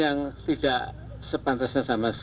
tapi kita harus tarik memori